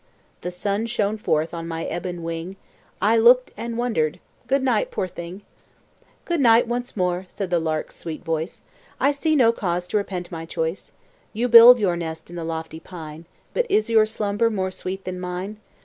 The sun shone forth on my ebon wing; I looked and wondered good night, poor thing!" "Good night, once more," said the lark's sweet voice, "I see no cause to repent my choice; You build your nest in the lofty pine, But is your slumber more sweet than mine?